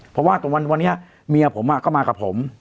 เพราะว่าตอนวันวันเนี้ยเมียผมอ่ะก็มากับผม